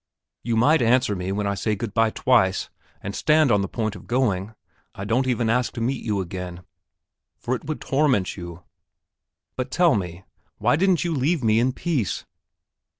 "You might answer me when I say good bye twice, and stand on the point of going. I don't even ask to meet you again, for it would torment you. But tell me, why didn't you leave me in peace?